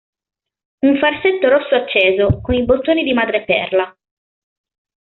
Un farsetto rosso acceso con i bottoni di madreperla.